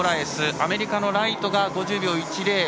アメリカのライトが５０秒１０。